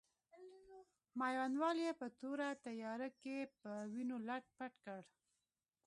میوندوال یې په توره تیاره کې په وینو لت پت کړ.